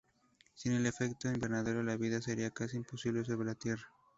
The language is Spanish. Sin el efecto invernadero, la vida sería casi imposible sobre la tierra.